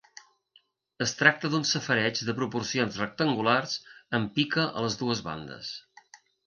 Es tracta d'un safareig de proporcions rectangulars, amb pica a les dues bandes.